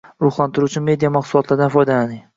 Ruhlantiruvchi media mahsulotlardan foydalaning